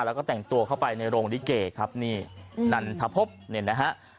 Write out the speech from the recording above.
แล้วก็แต่งตัวเข้าไปในโรงลิเกครับนี่นันทพบเนี่ยนะฮะ